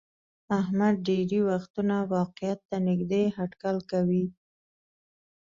احمد ډېری وختونه واقعیت ته نیږدې هټکل کوي.